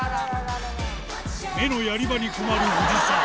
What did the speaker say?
目のやり場に困るおじさん。